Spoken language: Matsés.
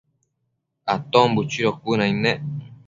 Aton buchido cuënaid nec